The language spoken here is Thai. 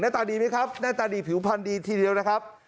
หน้าตาดีผิวพันธุ์ดีทีเดียวนะครับ